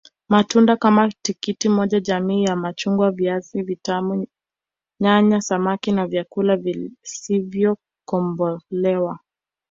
Matunda kama tikiti maji jamii ya machungwa viazi vitamu nyanya samaki na vyakula visivyokobolewa